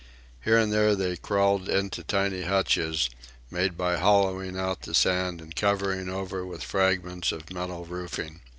Here and there they crawled into tiny hutches, made by hollowing out the sand and covering over with fragments of metal roofing.